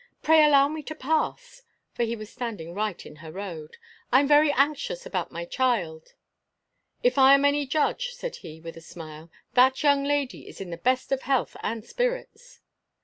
"Pray allow me to pass!" for he was standing right in her road. "I am very anxious about my child." "If I am any judge," said he, with a smile, "that young lady is in the best of health and spirits."